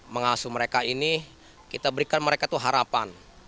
mengasuh mereka ini kita berikan mereka itu harapan